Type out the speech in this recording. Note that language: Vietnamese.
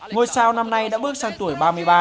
ngôi sao năm nay đã bước sang tuổi ba mươi ba